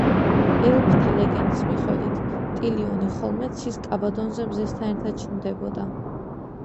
ელფთა ლეგენდის მიხედვით, ტილიონი ხოლმე ცის კაბადონზე მზესთან ერთად ჩნდებოდა.